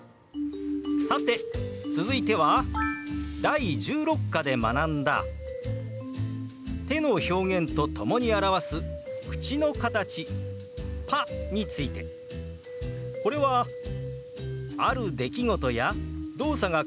さて続いては第１６課で学んだ手の表現と共に表す口の形「パ」について。これはある出来事や動作が完了したことを表す表現でしたね。